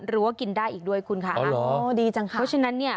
รู้ว่ากินได้อีกด้วยคุณค่ะอ๋อดีจังค่ะเพราะฉะนั้นเนี่ย